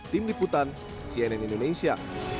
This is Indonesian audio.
tim liputan cnn indonesia